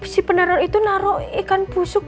si peneror itu naro ikan busuk